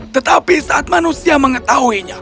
tetapi saat manusia mengetahuinya